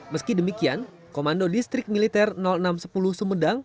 meski demikian komando distrik militer enam ratus sepuluh sumedang